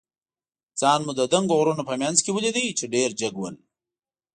ځان مو د دنګو غرونو په منځ کې ولید، چې ډېر جګ ول.